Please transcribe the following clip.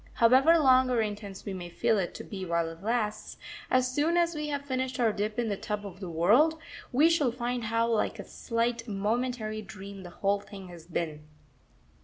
However long or intense we may feel it to be while it lasts, as soon as we have finished our dip in the tub of the world, we shall find how like a slight, momentary dream the whole thing has been....